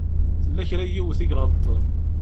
Tella kra n yiwet i iɣelḍen.